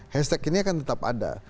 hashtag ini akan tetap ada